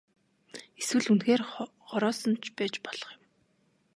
Эсвэл үнэхээр хороосон ч байж болох юм.